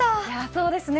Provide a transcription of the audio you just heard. そうですね。